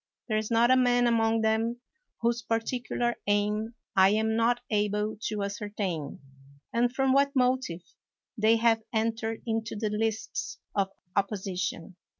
There is not a man among them whose particular aim I am not able to ascertain, and from what motive they have entered into the lists of oppo sition.